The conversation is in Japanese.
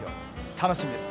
楽しみです。